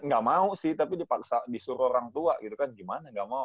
nggak mau sih tapi dipaksa disuruh orang tua gitu kan gimana gak mau